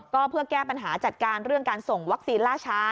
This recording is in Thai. ก็เพื่อแก้ปัญหาจัดการเรื่องการส่งวัคซีนล่าช้า